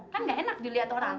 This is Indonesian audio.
kan gak enak dilihat orang